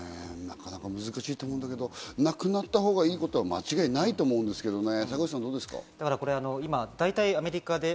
なかなか難しいと思うけど、なくなったほうがいいことは間違いないと思うんですけどね。